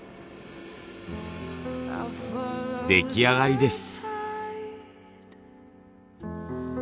出来上がりです。